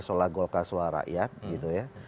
sholah golkar sholah rakyat gitu ya